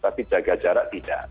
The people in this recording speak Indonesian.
tapi jaga jarak tidak